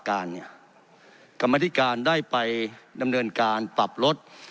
กรรมนาฬิการได้ไปดำเนินการปรับลด